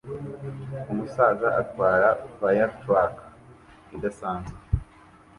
Umusaza atwara firetruck idasanzwe